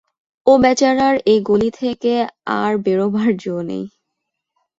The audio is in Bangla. ও বেচারার এ গলি থেকে আর বেরোবার জো নেই।